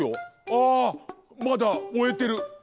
あまだおえてる！